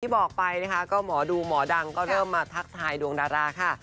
บอกไปนะคะก็หมอดูหมอดังก็เริ่มมาทักทายดวงดาราค่ะ